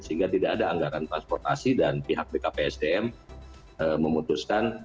sehingga tidak ada anggaran transportasi dan pihak bkpsdm memutuskan